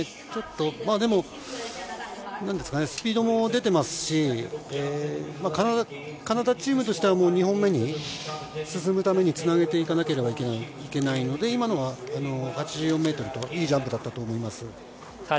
まぁでも、スピードも出ていますし、カナダチームとしては２本目に進むためにつなげていかなければいけないので、今のは８４ｍといいジャンプだったと思います。